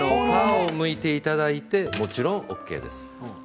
皮をむいていただいてもちろんＯＫです。